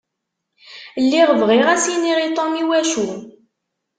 Lliɣ bɣiɣ ad s-iniɣ i Tom iwacu.